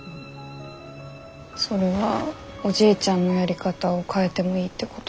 それはおじいちゃんのやり方を変えてもいいってこと？